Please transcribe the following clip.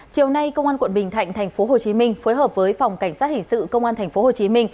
chiều nay công an quận bình thạnh tp hcm phối hợp với phòng cảnh sát hình sự công an tp hcm